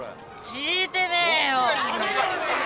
聞いてねえよ！